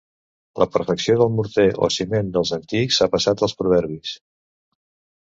La perfecció del morter o ciment dels antics ha passat als proverbis.